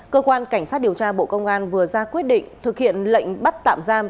cơ quan cảnh sát điều tra bộ công an vừa ra quyết định thực hiện lệnh bắt tạm giam